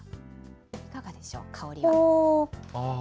いかがでしょう、香り。